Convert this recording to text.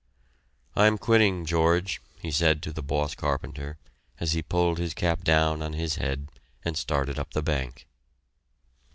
"I am quitting, George," he said to the boss carpenter, as he pulled his cap down on his head and started up the bank.